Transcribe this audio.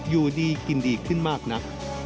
อยู่ดีกินดีขึ้นมากนัก